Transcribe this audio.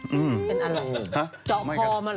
เป็นอะไรจอกคอมาเหรอ